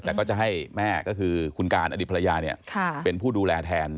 แต่ก็จะให้แม่ก็คือคุณการอดีตภรรยาเป็นผู้ดูแลแทน